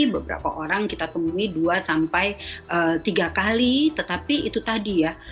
beberapa orang kita temui dua sampai tiga kali tetapi itu tadi ya